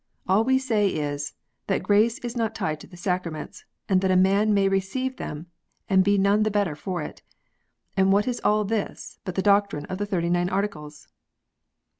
All we say is, that grace is not tied to the Sacraments, and that a man may receive them, and be none the better for it. And what is all this but the doctrine of the Thirty nine Articles